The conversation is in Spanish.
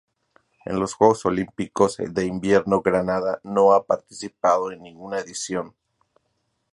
En los Juegos Olímpicos de Invierno Granada no ha participado en ninguna edición.